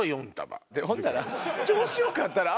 ほんなら。